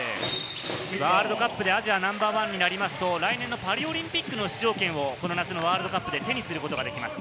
ワールドカップでアジアナンバーワンになりますと、来年のパリオリンピックの出場権をこの夏のワールドカップで手にすることになります。